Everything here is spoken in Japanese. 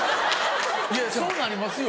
いやそうなりますよ。